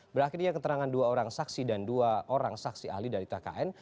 berakhirnya keterangan dua orang saksi dan dua orang saksi ahli dari tkn